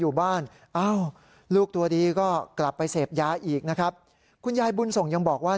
อยู่บ้านอ้าวลูกตัวดีก็กลับไปเสพยาอีกนะครับคุณยายบุญส่งยังบอกว่า